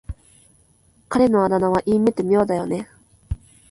彼のあだ名は言い得て妙だよね。